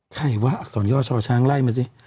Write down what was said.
ใครวะอักษรย่อช่อช้างไล่มาสิ